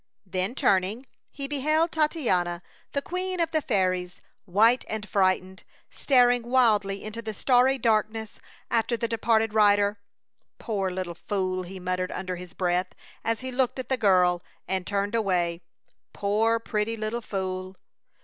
Then, turning, he beheld Titania, the queen of the fairies, white and frightened, staring wildly into the starry darkness after the departed rider. "Poor little fool!" he muttered under his breath as he looked at the girl and turned away. "Poor, pretty little fool!"